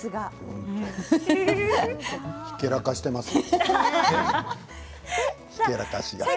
ひけらかしていますね。